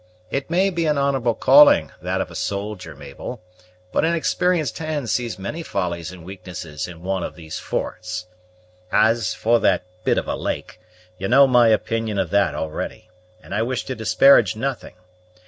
It may be an honorable calling, that of a soldier, Mabel; but an experienced hand sees many follies and weaknesses in one of these forts. As for that bit of a lake, you know my opinion of it already, and I wish to disparage nothing.